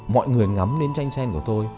mọi người ngắm đến tranh sen của tôi